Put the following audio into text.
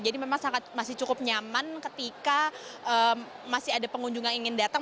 jadi memang masih cukup nyaman ketika masih ada pengunjung yang ingin datang